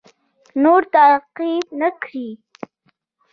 نور تعقیب نه کړ.